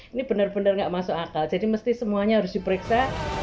ini benar benar nggak masuk akal jadi mesti semuanya harus diperiksa